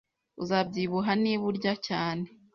Uzabyibuha niba urya cyane.